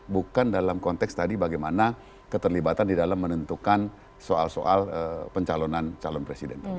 bukan dalam konteks tadi bagaimana keterlibatan di dalam menentukan soal soal pencalonan calon presiden